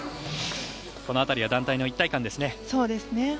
この辺りは団体の一体感ですね。